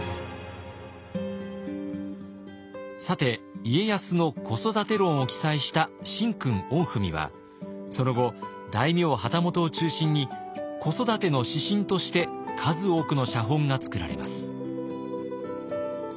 さて家康の子育て論を記載した「神君御文」はその後大名旗本を中心に子育ての指針として数多くの写本が作られます。